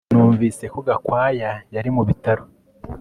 Numvise ko Gakwaya yari mu bitaro